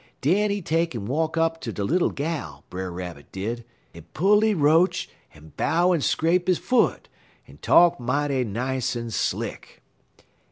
Den he take en walk up ter de Little Gal, Brer Rabbit did, en pull he roach, en bow, en scrape he foot, en talk mighty nice en slick.